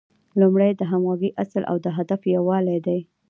لومړی د همغږۍ اصل او د هدف یووالی دی.